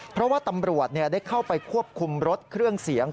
เพราะว่าตำรวจได้เข้าไปควบคุมรถเครื่องเสียง